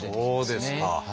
そうですか。